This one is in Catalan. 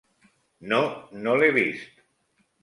No, no l'he vist.